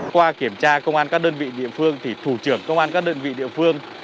qua kiểm tra công an các đơn vị địa phương thì thủ trưởng công an các đơn vị địa phương